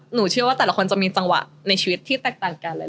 หนูเชื่อว่าแต่ละคนจะมีจังหวะในชีวิตที่แตกต่างกันเลย